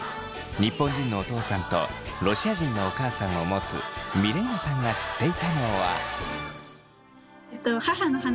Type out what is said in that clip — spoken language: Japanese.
日本人のお父さんとロシア人のお母さんを持つミレイナさんが知っていたのは。